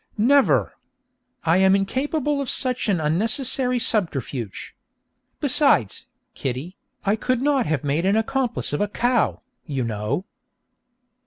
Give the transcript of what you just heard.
'Never! I am incapable of such an unnecessary subterfuge! Besides, Kitty, I could not have made an accomplice of a cow, you know.'